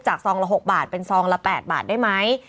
ซองละ๖บาทเป็นซองละ๘บาทได้ไหม